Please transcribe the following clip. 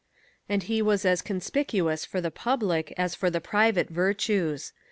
And he was as conspicuous for the public as for the private virtues.